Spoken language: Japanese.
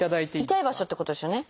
痛い場所ってことですよね。